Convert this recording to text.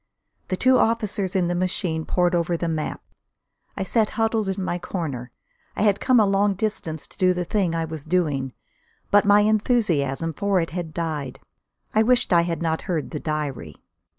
The two officers in the machine pored over the map; I sat huddled in my corner. I had come a long distance to do the thing I was doing. But my enthusiasm for it had died. I wished I had not heard the diary.